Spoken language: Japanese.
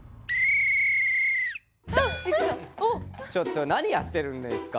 ちょっと何やってるんですか？